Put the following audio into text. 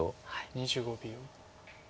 ２５秒。